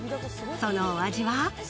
そのお味は？